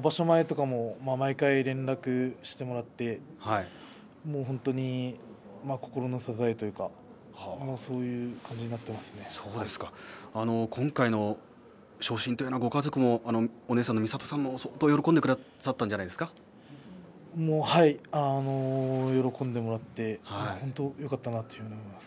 場所前とかも毎回連絡をしてもらって本当に心の支えというか今回の昇進というのはご家族もお姉さんの美里さんも相当喜んでくださったんじゃ喜んでもらって本当によかったなと思います。